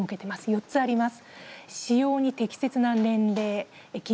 ４つあります。